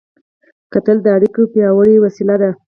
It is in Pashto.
کتل د اړیکو پیاوړې وسیله ده